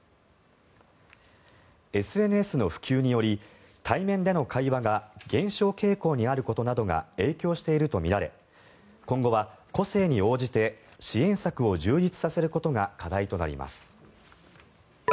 ＳＮＳの普及により対面での会話が減少傾向にあることなどが影響しているとみられ今後は個性に応じて支援策を充実させることが課題となります。